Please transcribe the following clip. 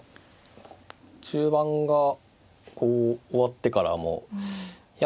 中盤がこう終わってからもいや